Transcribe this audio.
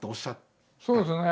そうですね。